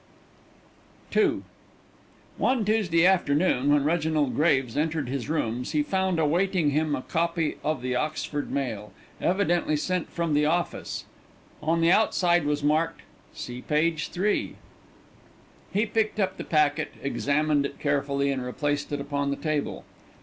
II One Tuesday afternoon, when Reginald Graves entered his rooms, he found awaiting him a copy of The Oxford Mail, evidently sent from the office; on the outside was marked, "See page 3." He picked up the packet, examined it carefully, and replaced it upon the table.